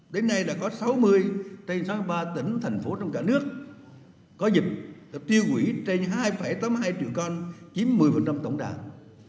đến nay đã có sáu mươi trên sáu mươi ba tỉnh thành phố trong cả nước có dịch đã tiêu hủy trên hai tám mươi hai triệu con chiếm một mươi tổng đàn